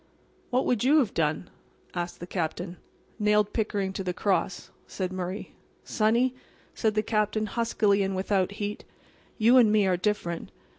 "What would you have done?" asked the Captain. "Nailed Pickering to the cross," said Murray. "Sonny," said the Captain, huskily and without heat. "You and me are different.